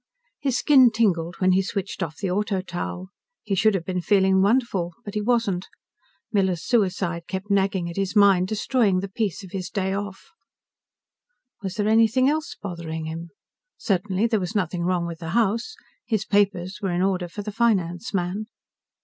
His skin tingled when he switched off the Auto towel. He should have been feeling wonderful, but he wasn't. Miller's suicide kept nagging at his mind, destroying the peace of his day off. Was there anything else bothering him? Certainly there was nothing wrong with the house. His papers were in order for the finance man.